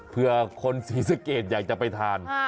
เพื่อสีสะเกจคนอยากจะไปทาน